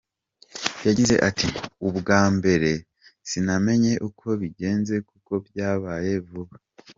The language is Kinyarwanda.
Yagize ati “Ubwa mbere sinamenye uko bigenze kuko byabaye vuba.